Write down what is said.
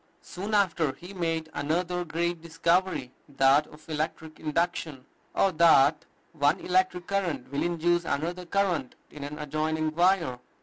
Soon after he made another great discovery, that of electric induction, or that one electric current will induce another current in an adjoining wire.